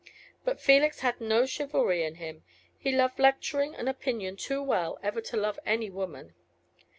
But Felix had no chivalry in him. He loved lecturing and opinion too well ever to love any woman.